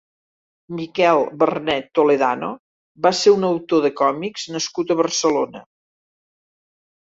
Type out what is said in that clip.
Miquel Bernet Toledano va ser un autor de còmics nascut a Barcelona.